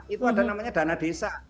itu ada namanya dana desa